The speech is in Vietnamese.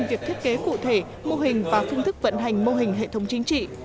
việc thiết kế cụ thể mô hình và phương thức vận hành mô hình hệ thống chính trị